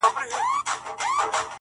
په دې دنيا کي ګوزاره وه ښه دى تېره سوله,